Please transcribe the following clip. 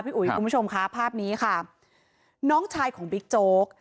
อุ๋ยคุณผู้ชมค่ะภาพนี้ค่ะน้องชายของบิ๊กโจ๊ก